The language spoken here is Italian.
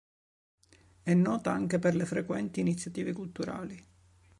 È nota anche per le frequenti iniziative culturali.